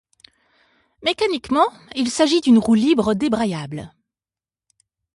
Mécaniquement, il s'agit d'une roue libre débrayable.